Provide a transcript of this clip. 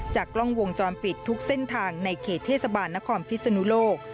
กล้องวงจรปิดทุกเส้นทางในเขตเทศบาลนครพิศนุโลก